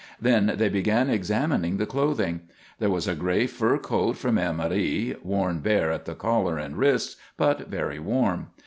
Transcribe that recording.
Then they began examining the clothing. There was a gray fur coat for Mère Marie, worn bare at the collar and wrists, but very warm.